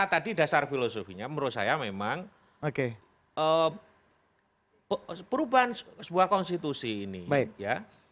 kalau saya menurut filosofinya menurut saya memang perubahan sebuah konstitusi ini ya